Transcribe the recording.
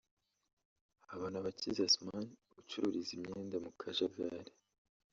Habanabakize Asoumani ucururiza imyenda mu Kajagari